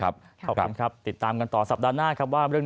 ขอบคุณครับติดตามกันต่อสัปดาห์หน้าครับว่าเรื่อง